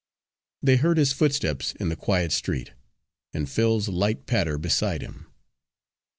They heard his footsteps in the quiet street, and Phil's light patter beside him.